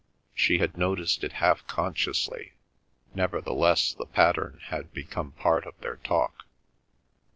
She had noticed it half consciously, nevertheless the pattern had become part of their talk.